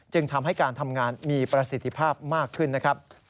จึงทำให้การทำงานมีประสิทธิภาพมากขึ้นนะครับ